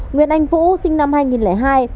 nguyễn anh phũ sinh năm hai nghìn hai